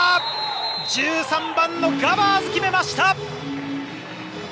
１３番のガバーズ決めました！